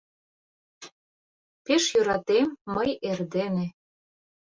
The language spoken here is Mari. Пеш йӧратем мый эрдене